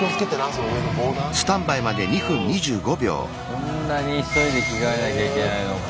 こんなに急いで着替えなきゃいけないのか。